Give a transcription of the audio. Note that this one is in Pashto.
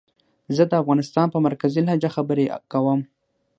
زه د افغانستان په مرکزي لهجه خبرې کووم